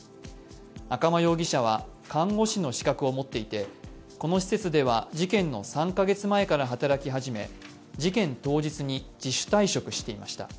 赤間容疑者は看護師の資格を持っていて、この施設では事件の３カ月前から働き始め事件当日に自主退職していました。